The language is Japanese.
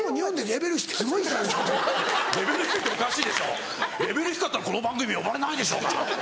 レベル低かったらこの番組呼ばれないでしょうが。